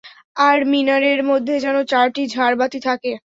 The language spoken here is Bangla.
আর মিনারের মধ্যে যেন চারটি ঝাড় বাতি থাকে।